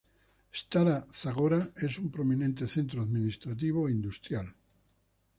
Stara Zagora es un prominente centro administrativo e industrial.